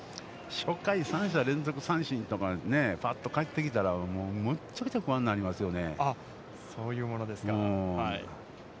初回、３者連続三振とかぱっと帰ってきたらむちゃくちゃ不安になりますよね。